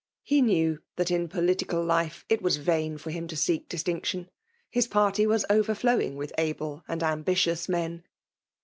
He knew that in pditical life it was vain for him to seek di»« tinctioa ;— ^his party was overflowing with abla and ambitious men.